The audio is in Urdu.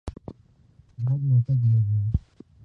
بہت موقع دیا گیا۔